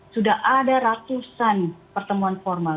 sudah ada ratusan pertemuan formal